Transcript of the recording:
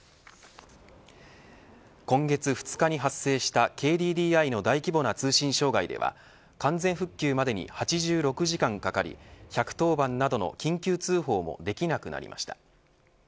今月２日に発生したＫＤＤＩの大規模な通信障害では完全復旧までに８６時間かかり１１０番などの緊急通報もできなくなりました。